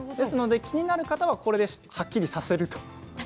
気になる方はこれではっきりさせると。